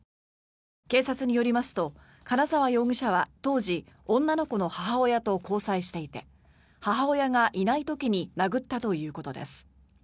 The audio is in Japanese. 警察によりますと金沢容疑者は当時、女の子の母親と交際していて、母親がいない時に殴ったということです。